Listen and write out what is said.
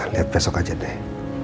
liat besok aja deh